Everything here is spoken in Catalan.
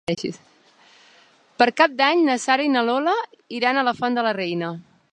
Per Cap d'Any na Sara i na Lola iran a la Font de la Reina.